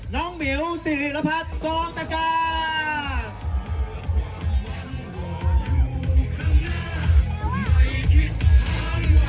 เราคือผู้คนและการเดินทางกลับไปให้ไทยกล้าวมา